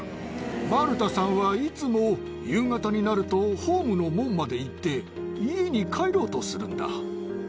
マルタさんはいつも夕方になると、ホームの門まで行って、家に帰ろうとするんだ。